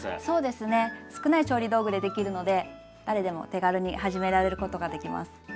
そうですね少ない調理道具でできるので誰でも手軽に始められることができます。